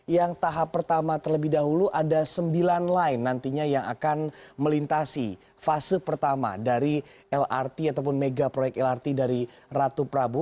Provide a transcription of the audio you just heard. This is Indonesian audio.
yang tahap pertama terlebih dahulu ada sembilan line nantinya yang akan melintasi fase pertama dari lrt ataupun mega proyek lrt dari ratu prabu